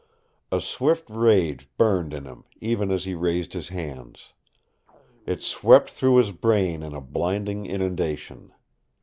A swift rage burned in him, even as he raised his hands. It swept through his brain in a blinding inundation.